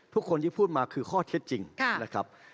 ทุกคนที่พูดมาคือข้อเท็จจริงนะครับ